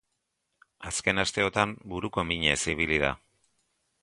Azken asteotan buruko minez ibili da.